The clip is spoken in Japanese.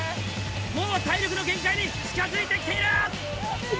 もう体力の限界に近づいてきている！